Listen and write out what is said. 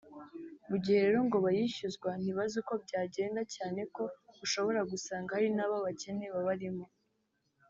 Mu gihe rero ngo bayishyuzwa ntibazi uko byagenda cyane ko ushobora gusanga hari n’ababakene babarimo